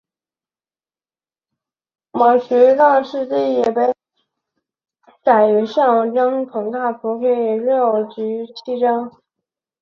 其殉道事迹被记载于圣经宗徒大事录第六及第七章。